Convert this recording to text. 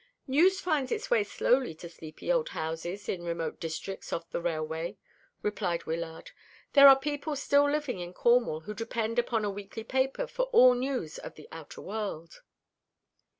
"News finds its way slowly to sleepy old houses in remote districts off the railway," replied Wyllard. "There are people still living in Cornwall who depend upon a weekly paper for all news of the outer world."